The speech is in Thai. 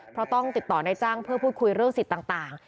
เพราะต้องติดต่อนายจ้างเพื่อพูดคุยเรื่องสิทธิ์ต่าง